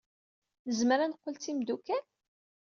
Nezmer ad neqqel d timeddukal?